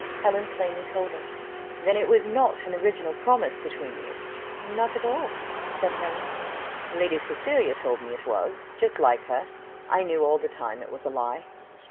Helen plainly told her. "Then it was not an original promise between you?" "Not at all," said Helen. "Lady Cecilia told me it was. Just like her, I knew all the time it was a lie."